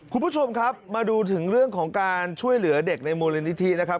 คุณผู้ชมครับมาดูถึงเรื่องของการช่วยเหลือเด็กในมูลนิธินะครับ